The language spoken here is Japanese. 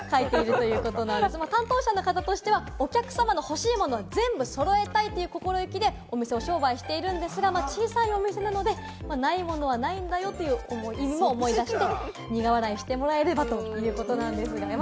そういった意味も担当者の方としてはお客様の欲しいものは全部揃えたいという心意気でお店で商売しているんですが、小さいお店なので、ないものはないんだよという意味も苦笑いしてもらえればということなんです。